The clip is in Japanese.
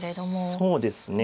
そうですね。